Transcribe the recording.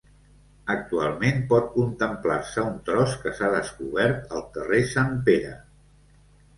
Actualment pot contemplar-se un tros que s'ha descobert al carrer Sant Pere.